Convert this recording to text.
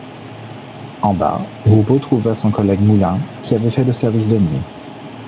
En bas, Roubaud trouva son collègue Moulin, qui avait fait le service de nuit.